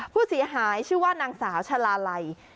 ผู้เสียหายชื่อว่านางสาวชาลาลัย